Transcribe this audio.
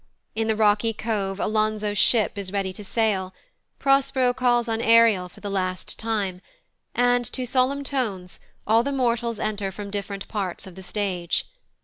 In the rocky cove Alonzo's ship is ready to sail; Prospero calls on Ariel for the last time; and, to solemn tones, all the mortals enter from different parts of the stage.